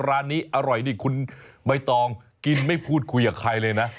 ร้านนี้อร่อยนี่คุณใบตองกินไม่พูดคุยกับใครเลยนะ